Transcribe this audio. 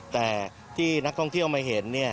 แต่ที่นักท่องเที่ยวมาเห็น